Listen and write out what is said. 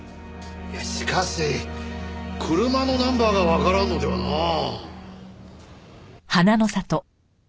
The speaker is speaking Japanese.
いやしかし車のナンバーがわからんのではなあ。